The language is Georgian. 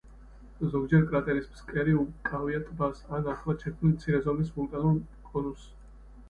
ზოგჯერ კრატერის ფსკერი უკავია ტბას ან ახლად შექმნილ მცირე ზომის ვულკანურ კონუსს.